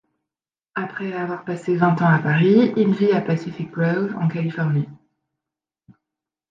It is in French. Après avoir passé vingt ans à Paris, il vit à Pacific Grove en Californie.